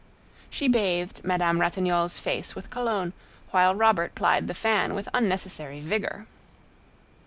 She bathed Madame Ratignolle's face with cologne, while Robert plied the fan with unnecessary vigor.